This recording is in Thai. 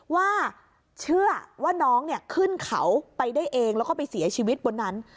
ว่าเชื่อว่าน้องเนี่ยขึ้นเขาไปได้เองแล้วก็ไปเสียชีวิตบนนั้น